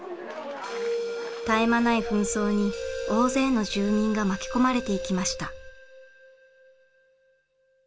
絶え間ない紛争に大勢の住人が巻き込まれていきました。